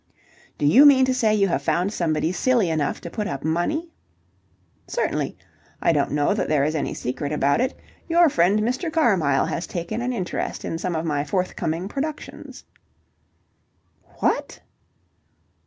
"Do you mean to say you have found somebody silly enough to put up money?" "Certainly. I don't know that there is any secret about it. Your friend, Mr. Carmyle, has taken an interest in some of my forthcoming productions." "What!"